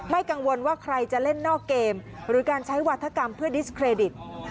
กังวลว่าใครจะเล่นนอกเกมหรือการใช้วาธกรรมเพื่อดิสเครดิต